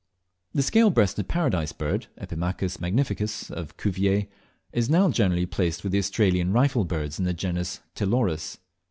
The Scale breasted Paradise Bird (Epimachus magnificus of Cuvier) is now generally placed with the Australian Rifle birds in the genus Ptiloris.